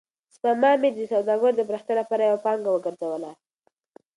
سپما مې د سوداګرۍ د پراختیا لپاره یوه پانګه وګرځوله.